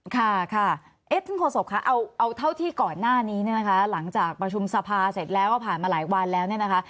ค่ะค่ะท่านโฆษกคะเอาเท่าที่ก่อนหน้านี้เนี่ยนะคะหลังจากประชุมสภาเสร็จแล้วก็ผ่านมาหลายวันแล้วเนี่ยนะคะ